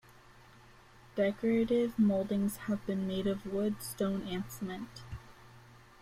Decorative moldings have been made of wood, stone and cement.